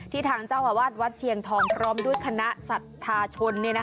ที่ทางเจ้าหวัดเวชเชียงทรองพร้อมด้วยคณะสัธาชน